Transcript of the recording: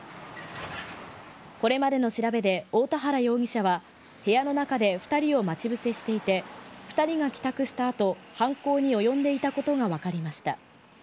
これまでの調べで、大田原容疑者は、部屋の中で２人を待ち伏せしていて、２人が帰宅したあと、犯行に及んでいたことが分かりました。